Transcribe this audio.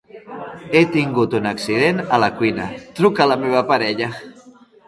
He tingut un accident a la cuina; truca a la meva parella.